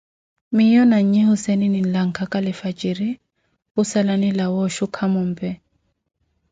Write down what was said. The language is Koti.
Miyo na nyi Husseene, ninlakaga lifwajiri, ku sala ni lawa oshuka mombe.